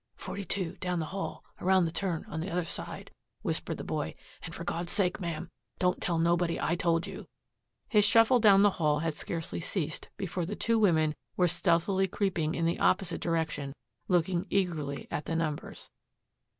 "Forty two down the hall, around the turn, on the other side," whispered the boy. "And for God's sake, ma'am, don't tell nobody I told you." His shuffle down the hall had scarcely ceased before the two women were stealthily creeping in the opposite direction, looking eagerly at the numbers.